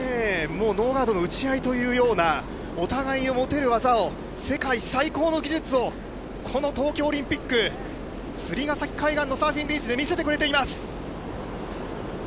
ノーガードの打ち合いというようなお互いの持てる技を世界最高の技術をこの東京オリンピック、釣ヶ崎海岸のサーフィンビーチで見せてくれています。